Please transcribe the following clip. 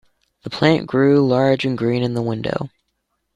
The plant grew large and green in the window.